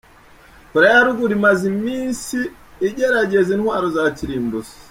Koreya ya Ruguru imaze iminsi igerageza intwaro za kirimbuzi